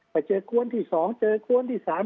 ไปเจอก้วนที่๒เจอก้วนที่๓